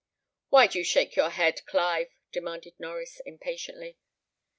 "Why do you shake your head, Clive?" demanded Norries, impatiently.